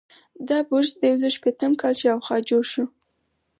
دا برج د یو زرو شپیتم کال شاوخوا جوړ شو.